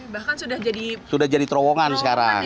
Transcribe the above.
bahkan sudah jadi terowongan sekarang